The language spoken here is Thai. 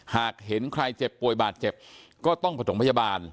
หากเห็นใครเจ็บป่วยบาดเจ็บก็ต้องผสมพยาบาล